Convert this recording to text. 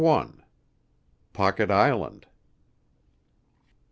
POCKET ISLAND.